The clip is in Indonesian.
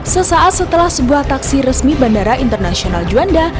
sesaat setelah sebuah taksi resmi bandara internasional juanda